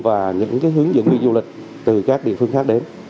và những hướng dẫn viên du lịch từ các địa phương khác đến